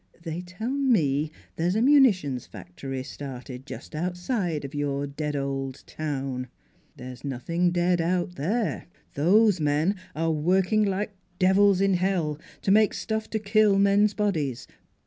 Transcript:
They tell me there's a munitions factory started just outside of your dead old town. There's nothing dead out there. Those men are working like devils in hell to make stuff to kill men's bodies.